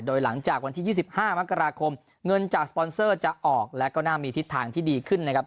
โดยหลังจากวันที่ยี่สิบห้ามักราคมเงินจากจะออกแล้วก็น่ามีทิศทางที่ดีขึ้นนะครับ